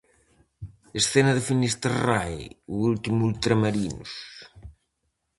Escena de Finisterrae, o último ultramarinos.